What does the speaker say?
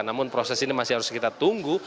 namun proses ini masih harus kita tunggu